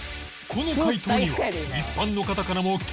この回答には一般の方からも厳しい意見が